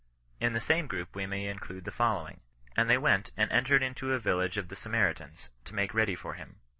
In the same group we may include the following: " And they went, and entered into a village ef the S«naritans, to make ready for him.